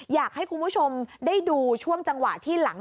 อยากให้คุณผู้ชมได้ดูช่วงจังหวะที่หลัง